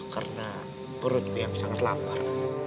karena perutku yang sangat lapar